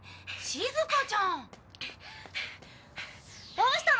どうしたの？